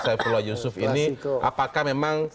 saifullah yusuf ini apakah memang